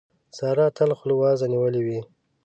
سارا تل خوله وازه نيولې وي.